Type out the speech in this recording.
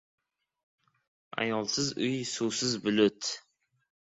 • Ayolsiz uy ― suvsiz bulut.